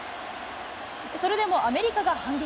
それでもアメリカが反撃。